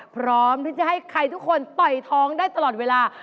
พร้อมที่จะให้ใครทุกคนต่อยท้องได้ตลอดเวลา